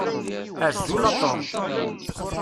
Azul a Tom.